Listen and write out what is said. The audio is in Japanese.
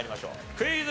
クイズ。